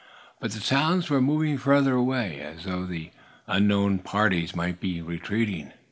But the sounds were moving further away, as though the unknown parties might be retreating.